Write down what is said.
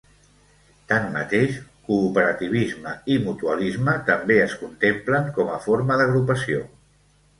Tanmateix, cooperativisme i mutualisme també es contemplen com a forma d’agrupació.